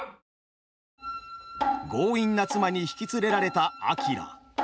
強引な妻に引き連れられたあきら。